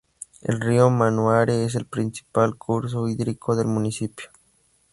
El río Manaure, es el principal curso hídrico del Municipio.